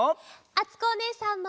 あつこおねえさんも。